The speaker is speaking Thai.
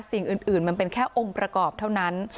สิ่งอื่นมันเป็นแค่องค์ประกอบเท่านั้น